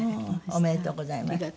ありがとうございます。